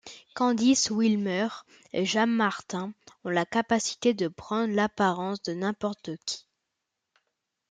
Candice Wilmer et James Martin ont la capacité de prendre l'apparence de n'importe qui.